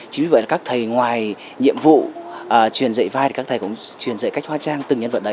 chính vì vậy các thầy ngoài nhiệm vụ truyền dạy vai các thầy cũng truyền dạy cách hóa trang